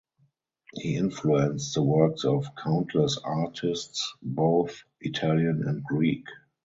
He influenced the works of countless artists both Italian and Greek.